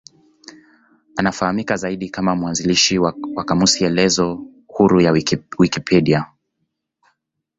Anafahamika zaidi kama mwanzilishi wa kamusi elezo huru ya Wikipedia.